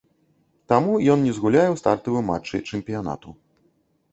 Таму ён не згуляе ў стартавым матчы чэмпіянату.